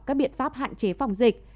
các biện pháp hạn chế phòng dịch